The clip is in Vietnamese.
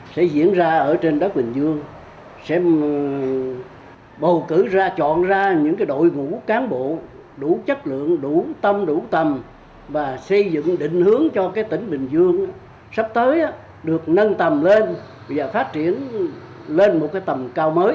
sẽ diễn ra ở trên đất bình dương sẽ bầu cử ra chọn ra những đội ngũ cán bộ đủ chất lượng đủ tâm đủ tầm và xây dựng định hướng cho tỉnh bình dương sắp tới được nâng tầm lên và phát triển lên một tầm cao mới